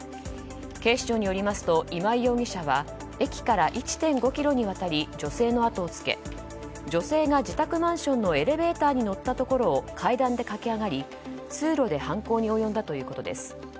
警視庁によりますと今井容疑者は駅から１．５ｋｍにわたり女性の後をつけ女性が自宅マンションのエレベーターに乗ったところを階段で駆け上がり通路で犯行に及んだということです。